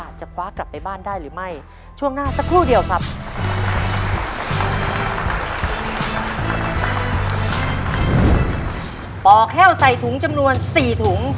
ป่อแฮ่วใส่ถุงจำนวนสี่ถุง